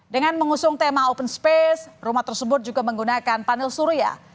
dengan mengusung tema open space rumah tersebut juga menggunakan panel surya